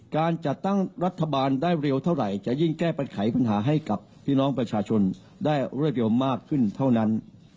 การจัดตั้งรัฐบาลได้เร็วเท่าไหร่จะยิ่งแก้ปัญหาให้กับพี่น้องประชาชนได้รวดเร็วมากขึ้นเท่านั้น